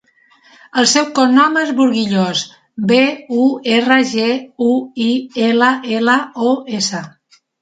El seu cognom és Burguillos: be, u, erra, ge, u, i, ela, ela, o, essa.